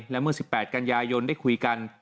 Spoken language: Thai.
และเมื่อ๑๘กันยายนได้คุยกัน